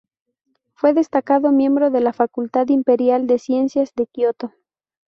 Fue destacado miembro de la Facultad Imperial de Ciencias de Kioto.